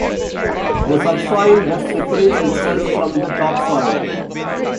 The subsoil thus separates itself from the topsoil.